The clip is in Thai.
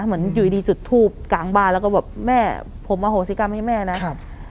เหมือนอยู่ดีจุดทูบกลางบ้านแล้วก็แบบแม่ผมอโหสิกรรมให้แม่นะครับ